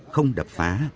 không đập phá